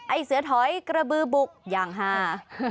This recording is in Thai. ไอ้เสื้อถอยกระบื้อบุกอย่างห้า